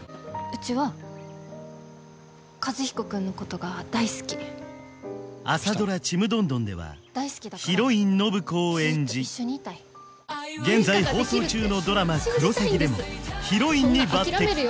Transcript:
うちは和彦君のことが大好き朝ドラ「ちむどんどん」ではヒロイン暢子を演じ現在放送中のドラマ「クロサギ」でもヒロインに抜てき